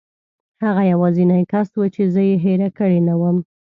هغه یوازینی کس و چې زه یې هېره کړې نه وم.